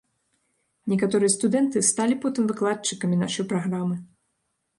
Некаторыя студэнты сталі потым выкладчыкамі нашай праграмы.